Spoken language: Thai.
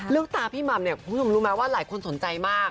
ตาพี่หม่ำเนี่ยคุณผู้ชมรู้ไหมว่าหลายคนสนใจมาก